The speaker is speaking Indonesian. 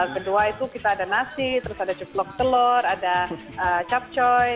kedua itu kita ada nasi terus ada cuplok telur ada capcoy